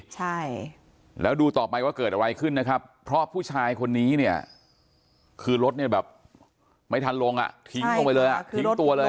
ใช่แล้วดูต่อไปว่าเกิดอะไรขึ้นนะครับเพราะผู้ชายคนนี้เนี่ยคือรถเนี่ยแบบไม่ทันลงอ่ะ